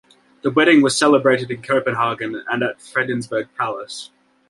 The wedding was celebrated in Copenhagen and at Fredensborg Palace.